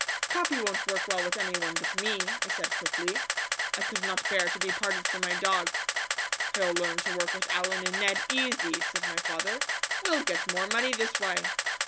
"Capi won't work well with any one but me," I said quickly. I could not bear to be parted from my dog. "He'll learn to work with Allen and Ned easy," said my father; "we'll get more money this way."